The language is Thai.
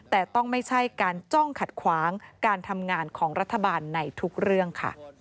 แต่ต้องไม่ใช่การจ้องขัดขวางการทำงานของรัฐบาลในทุกเรื่องค่ะ